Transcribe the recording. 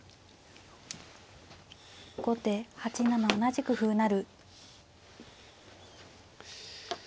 後手８七同じく歩成。